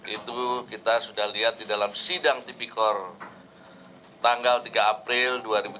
itu kita sudah lihat di dalam sidang tipikor tanggal tiga april dua ribu tujuh belas